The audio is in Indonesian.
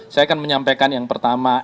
saya akan menyampaikan yang pertama